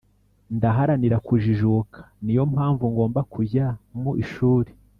ndaharanira kujijuka ni yo mpamvu ngomba kujya mu ishuri